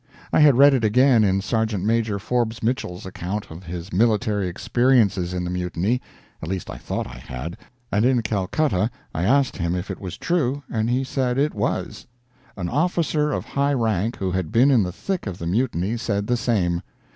I had read it again in Serjeant Major Forbes Mitchell's account of his military experiences in the Mutiny at least I thought I had and in Calcutta I asked him if it was true, and he said it was. An officer of high rank who had been in the thick of the Mutiny said the same.